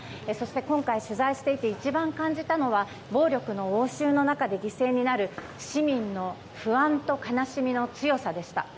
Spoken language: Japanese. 今回取材していて一番感じたのは暴力の応酬の中で犠牲になる市民の不安と悲しみの強さでした。